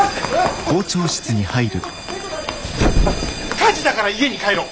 火事だから家に帰ろう！